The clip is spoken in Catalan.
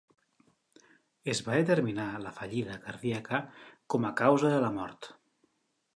Es va determinar la fallida cardíaca com a causa de la mort.